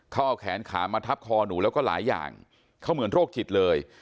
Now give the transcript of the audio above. เขาเอาแขนขามาทับคอหนูแล้วก็หลายอย่างเขาเหมือนโรคจิตเลย